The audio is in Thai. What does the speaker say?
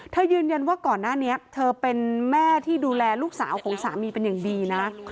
ยืนยันว่าก่อนหน้านี้เธอเป็นแม่ที่ดูแลลูกสาวของสามีเป็นอย่างดีนะ